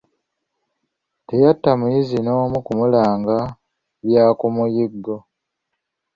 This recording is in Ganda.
Teyatta muyizzi n'omu kumulanga bya ku muyiggo.